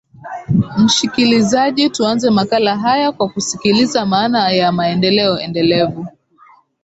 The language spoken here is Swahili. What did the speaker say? mshikilizaji tuanze makala haya kwa kusikiliza maana ya maendeleo endelevu